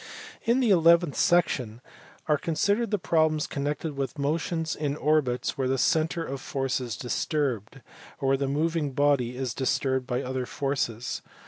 In the eleventh section are considered the problems connected with motion in orbits where the centre of force is disturbed, or where the moving body is disturbed by other forces.